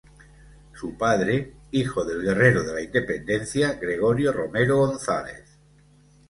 Su padre, hijo del guerrero de la independencia Gregorio Romero González.